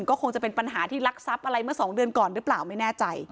ก็คงจะเป็นปัญหาที่รักทรัพย์อะไรเมื่อ๒เดือนก่อนหรือเปล่าไม่แน่ใจ